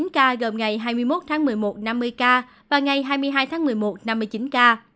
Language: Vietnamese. chín ca gồm ngày hai mươi một tháng một mươi một năm mươi ca và ngày hai mươi hai tháng một mươi một năm mươi chín ca